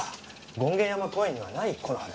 権現山公園にはない木の葉ですね。